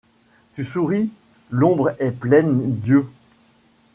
Tu souris… . -L'ombre est pleine d'yeux